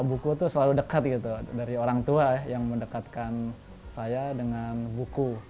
buku itu selalu dekat gitu dari orang tua yang mendekatkan saya dengan buku